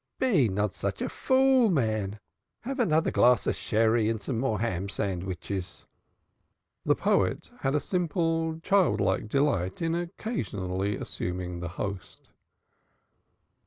Be not such a fool man! Haf anoder glaz sherry and some more ham sandwiches." The poet had a simple child like delight in occasionally assuming the host.